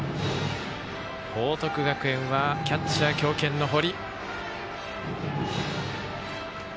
報徳学園はキャッチャー、強肩の堀。